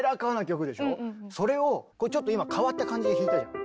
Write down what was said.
それをこれちょっと今変わった感じで弾いたじゃん。